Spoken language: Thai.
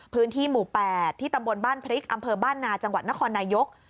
พื้นที่หมู่๘ที่ตำบลบ้านพริกอำเภอบ้านนาจังหวัดนครนายก